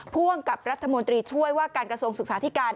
พ่วงกับรัฐมนตรีช่วยว่าการกระทรวงศึกษาธิการ